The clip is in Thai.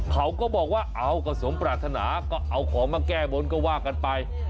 เขาก็บอกว่าเอาก็สมปรารถนาก็เอาของมาแก้บนก็ว่ากันไป